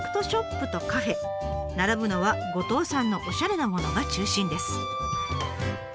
並ぶのは五島産のおしゃれなものが中心です。